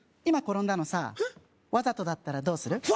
今転んだのさわざとだったらどうする？